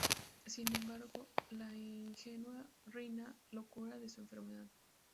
Sin embargo la ingenua Rina lo cura de su enfermedad.